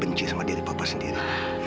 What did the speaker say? benci sama diri bapak sendiri